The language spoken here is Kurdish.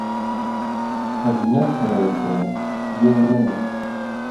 Ev ne pereyê te ye, yê min e.